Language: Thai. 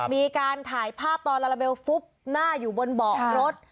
มีการถ่ายภาพตอนลาลาเบลฟุบหน้าอยู่บนเบาะรถ